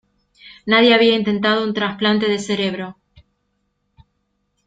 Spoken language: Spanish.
Nadie había intentado un trasplante de cerebro